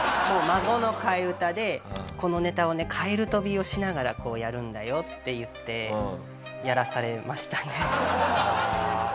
『孫』の替え歌で「このネタをねカエル跳びをしながらこうやるんだよ」っていってやらされましたね。